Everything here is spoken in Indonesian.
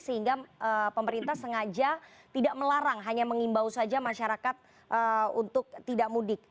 sehingga pemerintah sengaja tidak melarang hanya mengimbau saja masyarakat untuk tidak mudik